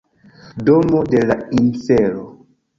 Domo de la Infero